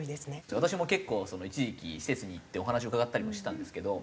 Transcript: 私も結構一時期施設に行ってお話を伺ったりもしてたんですけど。